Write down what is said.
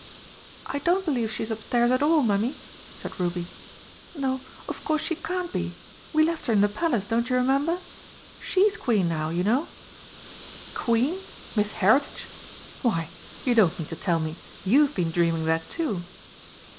"I don't believe she's upstairs at all, mummy," said Ruby. "No, of course she can't be. We left her in the Palace don't you remember? She's Queen now, you know?" "Queen! Miss Heritage! Why, you don't mean to tell me you've been dreaming that too?"